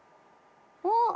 おっ！